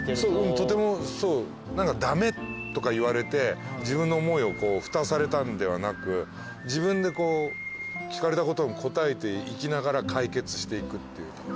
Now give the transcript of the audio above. とてもそう何か駄目とか言われて自分の思いをふたされたんではなく自分で聞かれたことに答えていきながら解決していくっていうか。